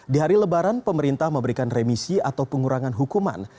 di hari lebaran pemerintah memberikan remisi atau pengurangan hukuman